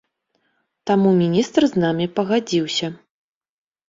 Таму міністр з намі пагадзіўся.